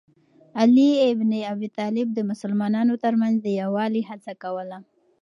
علي بن ابي طالب د مسلمانانو ترمنځ د یووالي هڅه کوله.